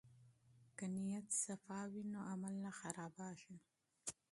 که نیت پاک وي نو عمل نه خرابیږي.